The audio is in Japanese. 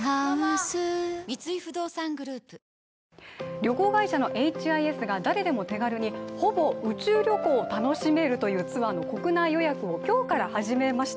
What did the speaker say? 旅行会社にエイチ・アイ・エスが誰でも手軽にほぼ宇宙旅行を楽しめるというツアーの国内予約を今日から始めました。